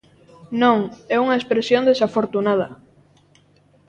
Non, é unha expresión desafortunada.